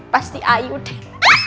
pasti ayu deh